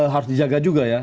harus dijaga juga ya